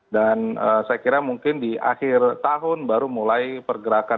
dan saya kira mungkin di akhir tahun baru mulai pergerakan suku bunga